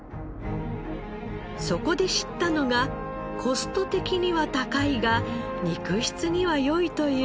そこで知ったのがコスト的には高いが肉質には良いという大麦。